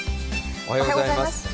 おはようございます。